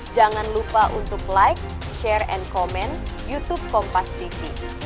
jangan lupa untuk like share and comment youtube kompas tv